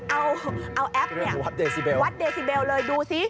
เอาแอปเนี่ยวัดเดซิเบลเลยดูสิ